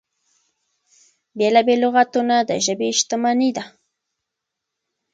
بېلا بېل لغتونه د ژبې شتمني ده.